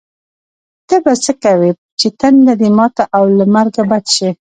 ته به څه کوې چې تنده دې ماته او له مرګه بچ شې.